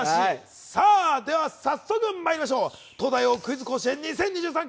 では早速まいりましょう、東大王クイズ甲子園２０２３。